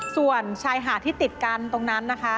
ส่วนชายหาดที่ติดกันตรงนั้นนะคะ